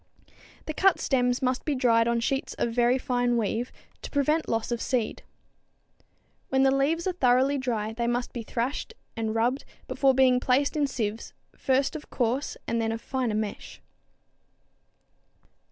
The cut stems must be dried on sheets of very fine weave, to prevent loss of seed. When the leaves are thoroughly dry they must be thrashed and rubbed before being placed in sieves, first of coarse, and then of finer mesh.